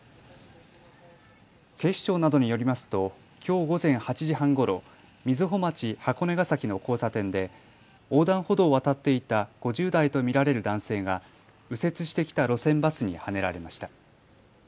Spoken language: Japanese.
警視庁などによりますときょう午前８時半ごろ、瑞穂町箱根ヶ崎の交差点で横断歩道を渡っていた５０代と見られる男性が右折してきた路線バスにはねられました。